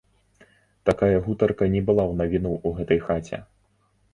Такая гутарка не была ў навіну ў гэтай хаце.